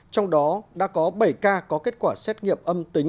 trong đó đã có bảy ca có kết quả xét nghiệm âm tính